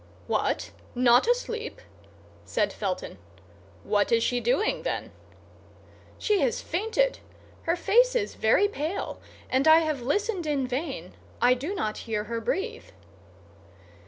"What, not asleep!" said Felton; "what is she doing, then?" "She has fainted. Her face is very pale, and I have listened in vain; I do not hear her breathe."